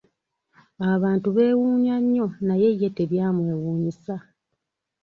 Abantu beewunnya nnyo naye ye tebyamwewuunyisa!